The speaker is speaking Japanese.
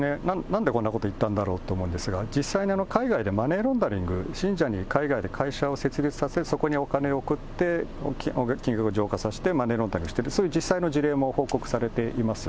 なんでこんなこと言ったんだろうと思うんですが、実際に海外でマネーロンダリング、信者に海外で会社を設立させ、そこにお金を送って、金額浄化させて、マネーロンダリングしてる、そういう実際の事例も報告されています。